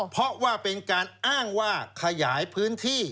เพราะว่าเป็นการอ้างว่าขยายพื้นที่